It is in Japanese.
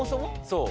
そう。